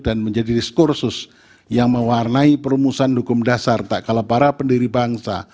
dan menjadi diskursus yang mewarnai perumusan hukum dasar tak kalah para pendiri bangsa